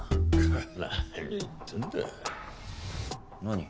何？